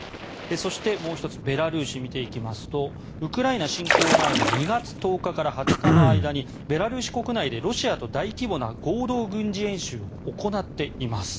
そして、もう１つベラルーシを見ていきますとウクライナ侵攻前の２月１０日から２０日の間にベラルーシ国内でロシアと大規模な合同軍事演習を行っています。